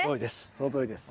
そのとおりです。